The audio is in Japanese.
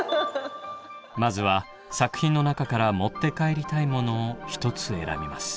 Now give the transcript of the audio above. まずは作品の中から持って帰りたいものを１つ選びます。